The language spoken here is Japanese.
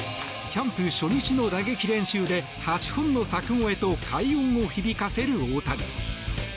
キャンプ初日の打撃練習で８本の柵越えと快音を響かせる大谷。